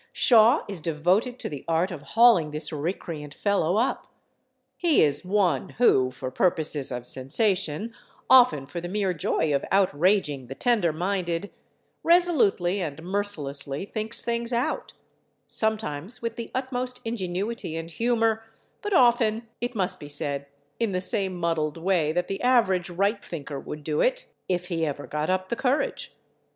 Shaw is devoted to the art of hauling this recreant fellow up. He is one who, for purposes of sensation, often for the mere joy of outraging the tender minded, resolutely and mercilessly thinks things out—sometimes with the utmost ingenuity and humor, but often, it must be said, in the same muddled way that the average right thinker would do it if he ever got up the courage.